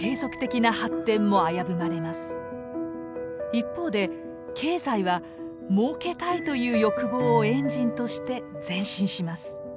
一方で経済は「儲けたい」という欲望をエンジンとして前進します。